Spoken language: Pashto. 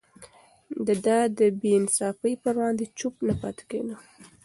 ده د بې انصافي پر وړاندې چوپ نه پاتې کېده.